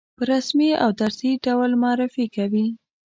په رسمي او درسي ډول معرفي کوي.